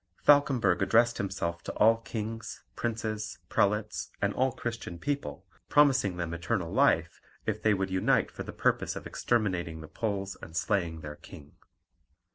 Falkemberg addressed himself to all kings, princes, prelates, and all Christian people, promising them eternal life, if they would unite for the purpose of exterminating the Poles and slaying their king.